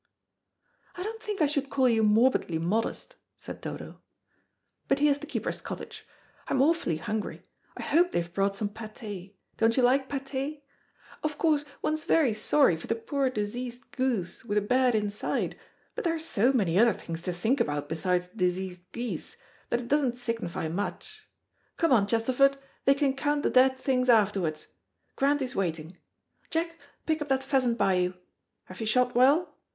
"I don't think I should call you morbidly modest," said Dodo. "But here's the keeper's cottage. I'm awfully hungry. I hope they've brought some pâté, Don't you like pâté? Of course one's very sorry for the poor, diseased goose with a bad inside, but there are so many other things to think about besides diseased geese, that it doesn't signify much. Come on, Chesterford, they can count the dead things afterwards. Grantie's waiting. Jack, pick up that pheasant by you. Have you shot well?